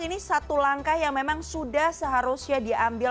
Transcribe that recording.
ini satu langkah yang memang sudah seharusnya diambil